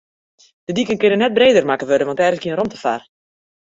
De diken kinne net breder makke wurde, want dêr is gjin romte foar.